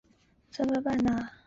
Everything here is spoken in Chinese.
黄豆树是豆科合欢属的植物。